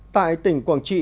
tại tỉnh quảng trị